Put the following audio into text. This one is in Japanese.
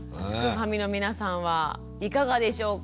ファミの皆さんはいかがでしょうか？